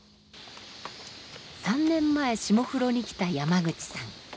３年前下風呂に来た山口さん